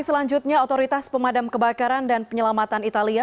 selanjutnya otoritas pemadam kebakaran dan penyelamatan italia